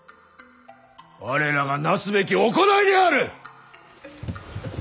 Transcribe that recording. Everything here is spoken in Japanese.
我らがなすべき行いである！